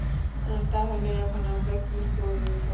তাহলে, এখন আমরা কী করবো?